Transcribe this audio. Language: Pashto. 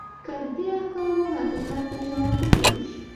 که د دې احکامو حقیقت ته ژور فکر وشي.